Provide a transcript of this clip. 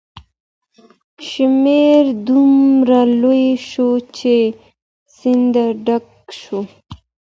شمیر دومره لوړ شو چې سیند ډک شو.